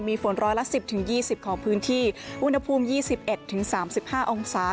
มีฝนร้อยละสิบถึงยี่สิบของพื้นที่อุณหภูมิยี่สิบเอ็ดถึงสามสิบห้าองศา